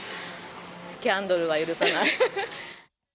キャンドルは許さない。